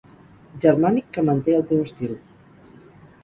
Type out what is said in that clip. Germànic que manté el teu estil.